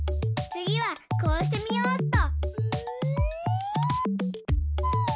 つぎはこうしてみようっと。